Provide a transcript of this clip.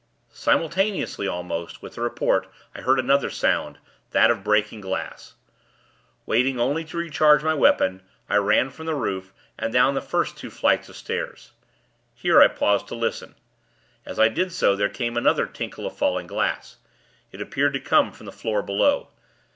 Simultaneously, almost, with the report, I heard another sound that of breaking glass. Waiting, only to recharge my weapon, I ran from the roof, and down the first two flights of stairs. Here, I paused to listen. As I did so, there came another tinkle of falling glass. It appeared to come from the floor below.